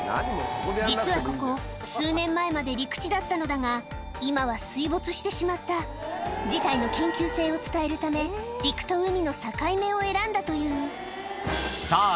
実はここ数年前まで陸地だったのだが今は水没してしまった事態の緊急性を伝えるため陸と海の境目を選んだというさぁ